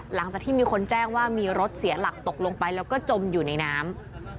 หลังจากที่มีคนแจ้งว่ามีรถเสียหลักตกลงไปแล้วก็จมอยู่ในน้ำ